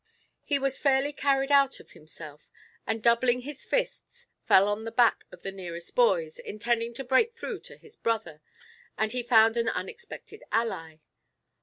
He was fairly carried out of himself, and doubling his fists, fell on the back of the nearest boys, intending to break through to his brother, and he found an unexpected ally.